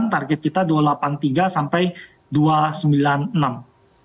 target kita rp dua delapan ratus sampai rp dua sembilan ratus